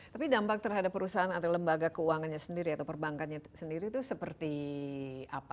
tapi dampak terhadap perusahaan atau lembaga keuangannya sendiri atau perbankannya sendiri itu seperti apa